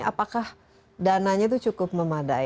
apakah dananya itu cukup memadai